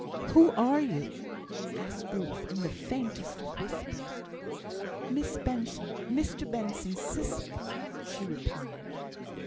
"Who are you?" asked Ruth, in the faintest of whispers. "Miss Benson Mr Benson's sister," she replied.